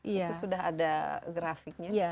itu sudah ada grafiknya